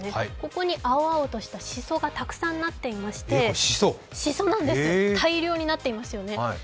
ここに青々としたしそがたくさんなっていまして、大量になっていますよね。